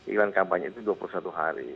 iran kampanye itu dua puluh satu hari